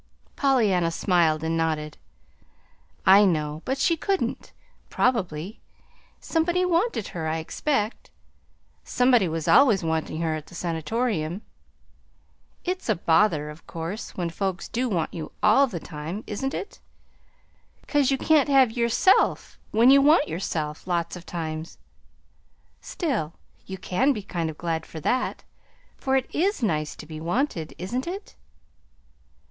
Pollyanna smiled and nodded. "I know; but she couldn't, probably. Somebody wanted her, I expect. Somebody was always wanting her at the Sanatorium. It's a bother, of course, when folks do want you all the time, isn't it? 'cause you can't have yourself when you want yourself, lots of times. Still, you can be kind of glad for that, for it IS nice to be wanted, isn't it?"